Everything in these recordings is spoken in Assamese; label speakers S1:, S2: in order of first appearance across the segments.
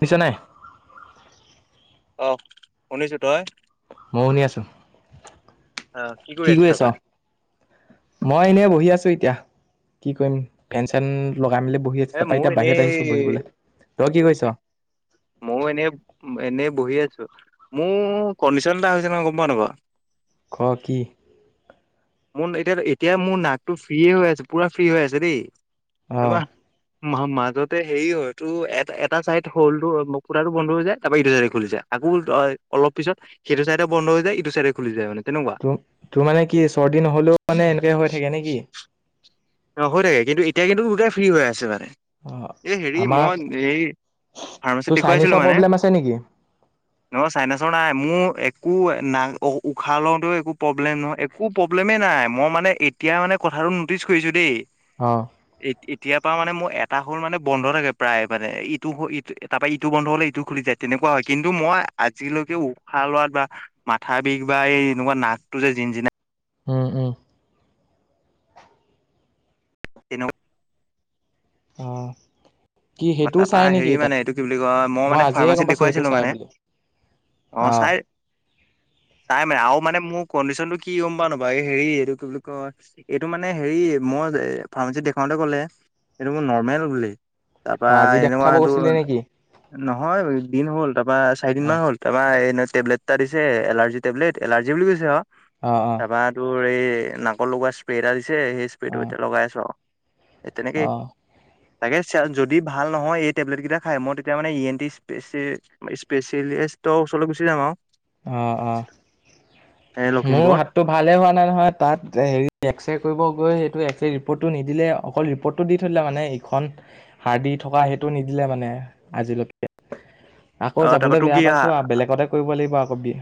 S1: পিছনে।
S2: অ, শুনিছো তই?
S1: মই শুনি আছো।
S2: অ
S1: কি
S2: আছো
S1: কৰি আছ
S2: তাৰপা
S1: মই এনেই বহি আছো। এতিয়া, কি কৰিম? ফেন চেন লগাই মেলি বহি আছো
S2: এ
S1: তাপা
S2: ময়ো
S1: এতিয়া বাহিৰত
S2: এনেই
S1: আহিছো বহিবলে তই কি কৰিছ?
S2: ময়ও এনেই, এনেই বহি আছো। মোৰ কণ্ডিচন এটা হৈছে নহয় গম পাৱ নেপাৱ
S1: ক কি?
S2: মোৰ এতিয়া -এতিয়া মোৰ নাকটো ফ্ৰী হৈ আছে। পুৰা ফ্ৰী হৈ আছে দেই
S1: অ
S2: তাপা মাউ মাজতে হেৰি হয় এটো এ এটা চাইড হলটো ফুটাটো বন্ধ হৈ যায়। তাপা ইটো চাইডে খুলি যায়। অলপ পিছত সেইটো চাইডে বন্ধ হৈ যায় ইটো চাইডে খুলি যায় মানে। তেনেকুৱা
S1: ত তোৰ মানে কি চৰ্দি নহলেও মানে এনেকে হৈ থাকে নেকি?
S2: অ, হৈ থাকে কিন্তু এতিয়া কিন্তু দুটাই ফ্ৰী হৈ আছে মানে।
S1: অ
S2: এ, হেৰি
S1: আমাৰ
S2: মই এই ফাৰ্মাচীত
S1: তোৰ
S2: দেখুৱাইছিলো
S1: চাইনিজৰ
S2: মানে।
S1: প্ৰব্লেম আছে নেকি?
S2: অ, চাইনাচৰ নাই মোৰ এক একো নাই উশাহ লওঁতেও একো প্ৰব্লেম নহয় একো প্ৰব্লেমে নাই। মই মানে এতিয়া মানে কথা আৰু নটিচ কৰিছো দেই
S1: অ
S2: এত এতিয়া তাৰ মানে মোৰ এটা হ' মানে বন্ধ থাকে প্ৰায়ে মানে ইটো হ টো তাৰ পৰা ইটো বন্ধ হ'লে ইটো খুলি যায়। তেনেকুৱা হয় কিন্তু মই আজিলৈকে উশাহ লোৱাত বা মাথা বিষ বা এই এনেকুৱা নাকটো যে জিঞ্জিনাই
S1: উম, উম।
S2: তেনেকুৱা।
S1: অ কি
S2: ম
S1: সেইটোও
S2: তাপা
S1: চাই নেকি
S2: হেৰি
S1: তাত?
S2: মানে এইটো কি বুলি কয় মই মানে
S1: আজিহে গম
S2: ফাৰ্মাচিত
S1: পাইছো সেইটো
S2: দেখুৱাইছিলো
S1: চাই
S2: মানে
S1: বুলি
S2: অ চাই
S1: [unintelligible]
S2: তাই মানে আৰু মানে মোৰ কণ্ডিচন টো কি গম পাৱ নাপাৱ এই হেৰি এইটো কি বুলি কয় এইটো মানে হেৰি মই এ ফাৰ্মাচীত দেখাওতে ক'লে এইটো মোৰ নৰ্মেল বুলি তাপা
S1: অ আজি
S2: এনেকুৱা
S1: দেখাব
S2: সেইটো
S1: গৈছিলি নেকি?
S2: নহয় দিন হ'ল তাপা চাৰিদিন
S1: অ
S2: মান হ'ল তাপা এ টেবলেট এটা দিছে এলাৰ্জি টেবলেট এলাৰ্জি বুলি কৈছে আও
S1: অ অ
S2: তাপা তোৰ এই নাকত লগোৱা স্প্ৰে এটা দিছে সেই স্প্ৰে
S1: অ
S2: টো এতিয়া লগাই আছো আৰু এ তেনেকে তাকে চে যদি ভাল নহয় এই টেবলেটকেইটা খাই মই তেতিয়া মানে ই এন টি সেচ স্পেচিয়েলিষ্টৰ ওচৰলৈ গুচি যাম আৰু।
S1: অ-অ,
S2: এ
S1: মোৰ
S2: লখিমপুৰত
S1: হাতটো ভালে হোৱা নাই নহয় তাত হৰি এক্স প নিদে এক্সৰে ৰিপৰ্টো দি থ মানে ইখন হাৰ দি থকা টো নিদিলে মানে আজিলৈকে। আকৌ
S2: অ তাৰপৰা
S1: যাবলৈ
S2: তোৰ
S1: বেয়া
S2: কি
S1: পাইছো আৰু বেলেগতে কৰিব লাগিব আকৌ দিয়া।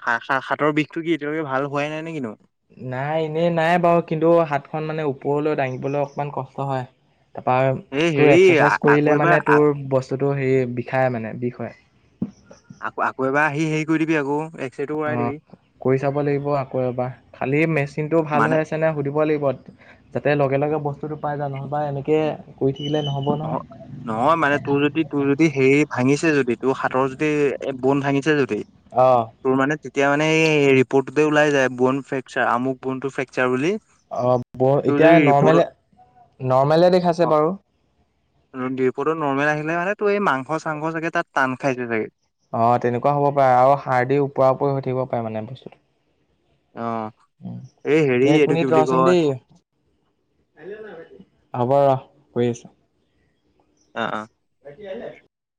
S2: হ হাতৰ বিষটো কি এতিয়ালৈকে ভাল হোৱাই নাই নে কিনো।
S1: নাই এনেই নাই বাৰু কিন্তু হাতখন মানে ওপৰলৈ দাঙিবলৈ অকমান কষ্ট হয়।
S2: এই
S1: তাৰপৰা
S2: হেৰি
S1: তোৰ এক্সাৰচাইজ
S2: আকৌ
S1: কৰিলে
S2: এবাৰ
S1: মানে তোৰ বস্তুটো হেৰি বিষায় মানে বিষ হয়।
S2: ধুই দিবি আকৌ এক্স ৰেটো কৰাই দিবি
S1: অ' কৰি চাব লাগিব আকৌ এবাৰ খালি মেচিনতটো
S2: মানে
S1: ভাল হৈ আছে নে সুধিব লাগিব। যাতে লগে-লগে বস্তুতটো পাই যা নহয়বা এনেকে কৰি থাক।
S2: নহয়-নহয় মানে তোৰ যদি তোৰ যদি হেৰি ভাঙিছে যদি তোৰ হাতৰ যদি এ বন ভাঙিছে যদি
S1: অ',
S2: তোৰ মানে এতিয়া মানে এই ৰিপৰ্টটোতে ওল যায় বন ফ্ৰেকচাৰ আমু বন টো ফ্ৰেকচাৰ বুলি।
S1: অ' ব
S2: তোৰ
S1: এতিয়া
S2: যদি ৰিপৰ্ট
S1: নৰ্মেলে-নৰ্মেলে দেখাইছে বাৰু।
S2: ৰিপৰ্ড নৰ্মেল আহিলে মানে তো এই মাংস চাংস চাগে তাত টান খাইছে চাগে।
S1: অ' তেনেকুৱা হ'ব পাৰে আৰু সাৰ দি ওপৰা ওপৰি হৈ থাকিব পাৰে মানে বস্তুটো।
S2: অ
S1: উম,
S2: এই হেৰি
S1: ৰহ এক
S2: এইটো কি
S1: মিনিট
S2: বুলি
S1: ৰবা চোন
S2: কয়
S1: দেই। হ'ব ৰ ৰৈ আছো
S2: অ-অ,
S1: [unintelligible]